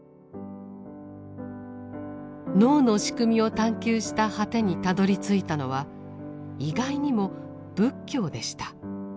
脳の仕組みを探求した果てにたどりついたのは意外にも仏教でした。